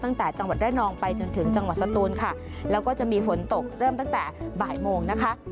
ตั้งแต่จังหวัดระนองไปจนถึงจังหวัดสตูนค่ะแล้วก็จะมีฝนตกเริ่มตั้งแต่บ่ายโมงนะคะ